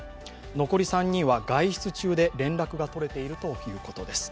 残り３人は外出中で連絡が取れているということです。